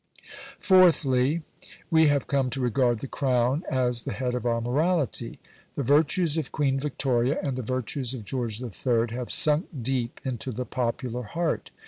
Fourthly. We have come to regard the Crown as the head of our morality. The virtues of Queen Victoria and the virtues of George III. have sunk deep into the popular heart.